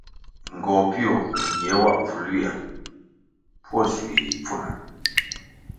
Ngohpio ngie wa bvul ywia pwo shui yi pfuna.